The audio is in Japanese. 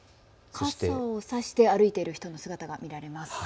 傘を差して歩いている人の姿が見られます。